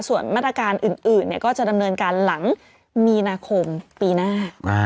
ส่วนมาตรการอื่นก็จะดำเนินการหลังมีนาคมปีหน้า